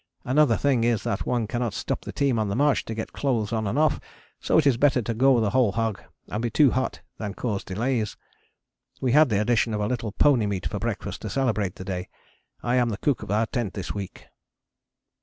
Another thing is that one cannot stop the team on the march to get clothes on and off, so it is better to go the whole hog and be too hot than cause delays. We had the addition of a little pony meat for breakfast to celebrate the day. I am the cook of our tent this week.